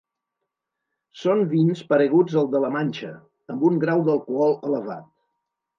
Són vins pareguts als de la Manxa, amb un grau d'alcohol elevat.